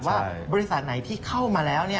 ว่าบริษัทไหนที่เข้ามาแล้ว